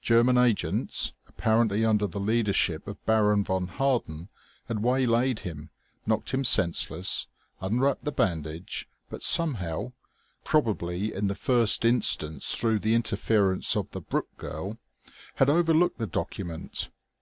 German agents, apparently under the leadership of Baron von Harden, had waylaid him, knocked him senseless, unwrapped the bandage, but somehow (probably in the first instance through the interference of the Brooke girl) had overlooked the document.